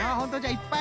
いっぱい。